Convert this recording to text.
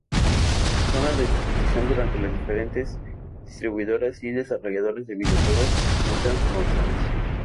Zona de exposición donde las diferentes distribuidoras y desarrolladoras de videojuegos muestran sus novedades.